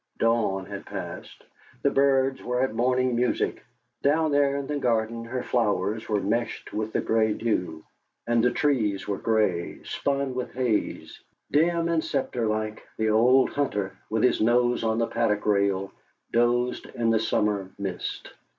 Dawn had passed, the birds were at morning music. Down there in the garden her flowers were meshed with the grey dew, and the trees were grey, spun with haze; dim and spectrelike, the old hunter, with his nose on the paddock rail, dozed in the summer mist.